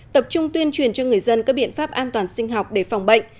tập trung tuyên truyền cho người dân các biện pháp an toàn sinh học để phòng bệnh